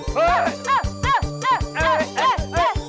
ไปเลยยาวเลย